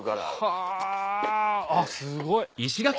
はぁあっすごい。